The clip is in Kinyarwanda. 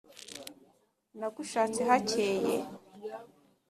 nagushatse hakeye,